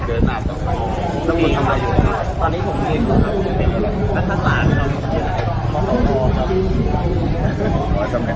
ตอนนี้ผมไม่ชื่อด่อกลุงทรัพย์พลัง